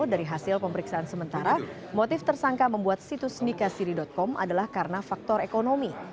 dari hasil pemeriksaan sementara motif tersangka membuat situs nikahsiri com adalah karena faktor ekonomi